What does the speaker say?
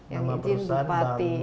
yang izin bupati